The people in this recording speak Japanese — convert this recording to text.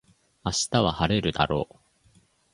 明日は晴れるだろう